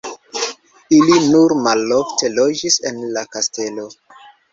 Ili nur malofte loĝis en la kastelo.